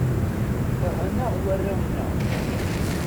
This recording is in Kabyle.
Keṛhen-aɣ warraw-nneɣ.